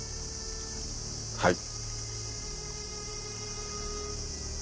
はい。